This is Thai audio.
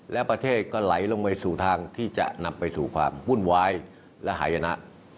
และประเทศก็ไหลลงไปสู่ทางที่จะนำไปสู่ความวุ่นวายและหายนะ